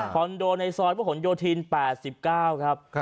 คอนโดในซอยภุหนโยทิน๘๙ครับ